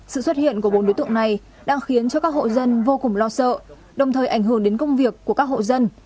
sự xuất hiện của bốn đối tượng này đang khiến cho các hộ dân vô cùng lo sợ đồng thời ảnh hưởng đến công việc của các hộ dân